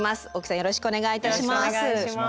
よろしくお願いします。